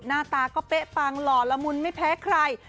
หน้าตาก็เป๊ะปังหล่อละมุนไม่แพ้ใคร